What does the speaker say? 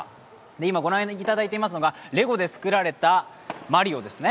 今、ご覧いただいていますのがレゴで作られたマリオですね。